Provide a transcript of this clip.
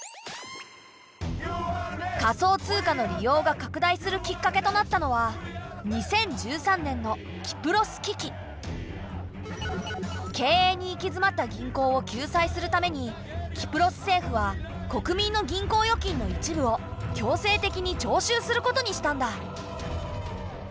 仮想通貨の利用が拡大するきっかけとなったのは経営に行きづまった銀行を救済するためにキプロス政府は国民の銀行預金の一部を強制的に徴収することにしたんだ。